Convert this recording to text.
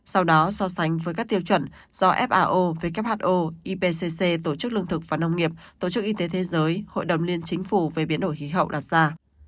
sau đó so sánh với các tiêu chuẩn do fao who ipc tổ chức lương thực và nông nghiệp tổ chức y tế thế giới hội đồng liên chính phủ về biến đổi khí hậu đặt ra